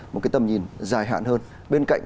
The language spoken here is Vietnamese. một cái tầm nhìn dài hạn hơn bên cạnh